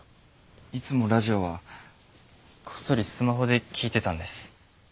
いつもラジオはこっそりスマホで聴いてたんです。